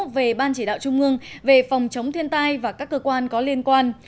về ban chỉ đạo trung ương về phòng chống thiên tai và các cơ quan có liên quan